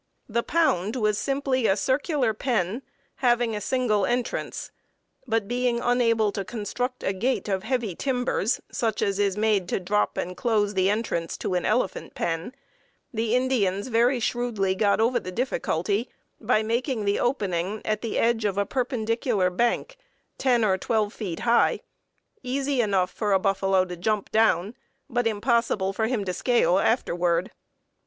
The "pound" was simply a circular pen, having a single entrance; but being unable to construct a gate of heavy timbers, such as is made to drop and close the entrance to an elephant pen, the Indians very shrewdly got over the difficulty by making the opening at the edge of a perpendicular bank 10 or 12 feet high, easy enough for a buffalo to jump down, but impossible for him to scale afterward.